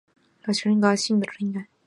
瑞士的教育制度是一个复杂的区块。